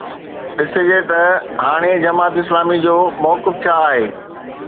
ڏسجي ته هاڻي جماعت اسلامي جو موقف ڇا آهي.